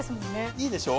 いいでしょ。